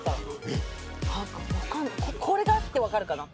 これがあって分かるかな